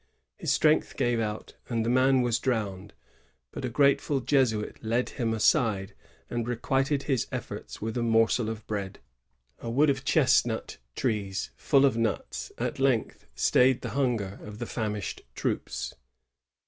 His strength gave out, and the man was drowned; but a grateful Jesuit led him aside, and requited his efforts with a morsel of bread.* A wood of chestnut trees full of nuts at length stayed the htmger of the famished troops.